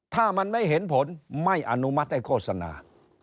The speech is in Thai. ถ้ามันไม่เห็นผลไม่อนุมัติให้โฆษณา